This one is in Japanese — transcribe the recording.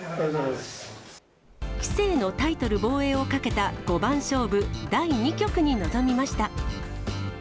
棋聖のタイトル防衛をかけた五番勝負第２局に臨みました。